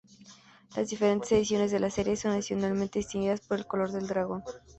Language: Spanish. Las diferentes ediciones de la serie son adicionalmente distinguidas por el color del dragón.